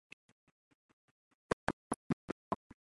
That was not long.